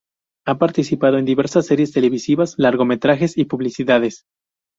Ha participado en diversas series televisivas, largometrajes y publicidades.